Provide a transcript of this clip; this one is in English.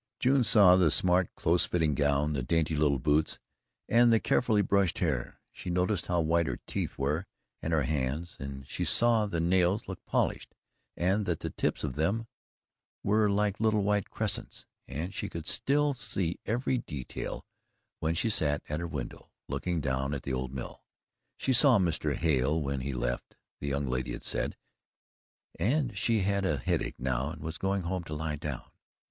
June saw the smart close fitting gown, the dainty little boots, and the carefully brushed hair. She noticed how white her teeth were and her hands, and she saw that the nails looked polished and that the tips of them were like little white crescents; and she could still see every detail when she sat at her window, looting down at the old mill. She SAW Mr. Hale when he left, the young lady had said; and she had a headache now and was going home to LIE down.